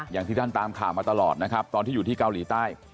อย่างที่ท่านตามข่าวมาตลอดนะครับตอนที่อยู่ที่เกาหลีใต้